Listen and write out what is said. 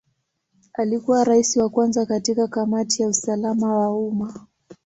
Alikuwa Rais wa kwanza katika Kamati ya usalama wa umma.